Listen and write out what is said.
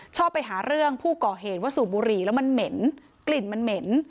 ชอบไปหาเรื่องผู้ก่อเหตุว่าสูบบุหรี่แล้วมันเหม็นกลิ่นมันเหม็น